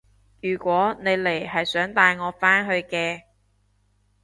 如果你嚟係想帶我返去嘅